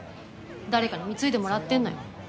誰かに貢いでもらってるのよ。